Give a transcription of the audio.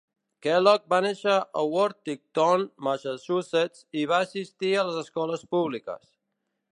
Kellogg va néixer a Worthington, Massachusetts, i va assistir a les escoles públiques.